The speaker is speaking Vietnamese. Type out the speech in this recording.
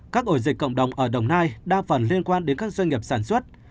các ổ dịch cộng đồng ở đồng nai đa phần liên quan đến các doanh nghiệp sản xuất